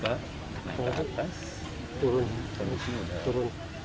kondisi udah terbujur